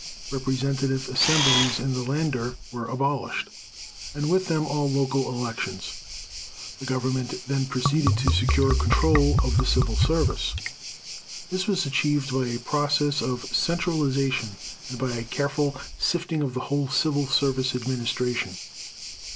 Representative assemblies in the Laender were abolished, and with them all local elections. The Government then proceeded to secure control of the Civil Service. This was achieved by a process of centralization, and by a careful sifting of the whole Civil Service administration.